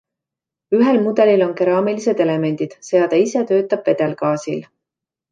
Ühel mudelil on keraamilised elemendid, seade ise töötab vedelgaasil.